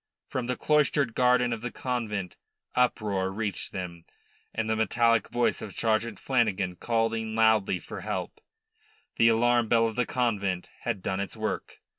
From the cloistered garden of the convent uproar reached them, and the metallic voice of Sergeant Flanagan calling loudly for help. The alarm bell of the convent had done its work.